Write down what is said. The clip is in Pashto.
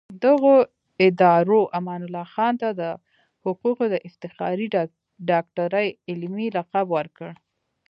دغو ادارو امان الله خان ته د حقوقو د افتخاري ډاکټرۍ علمي لقب ورکړ.